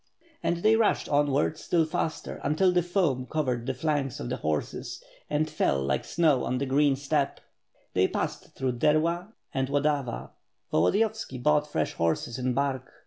And they rushed onward still faster until the foam covered the flanks of the horses and fell like snow on the green steppe. They passed through Derla and Tx)dava. Volodi •yovski bought fresh horses in Bark.